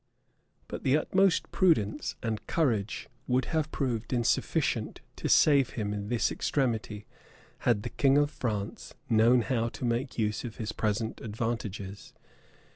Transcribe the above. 171 But the utmost prudence and courage would have proved insufficient to save him in this extremity, had the king of France known how to make use of his present advantages.